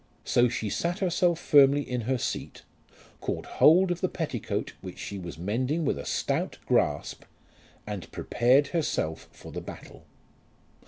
So she sat herself firmly in her seat, caught hold of the petticoat which she was mending with a stout grasp, and prepared herself for the battle.